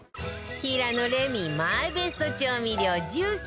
平野レミマイベスト調味料１０選